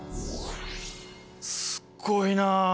すっごいなあ。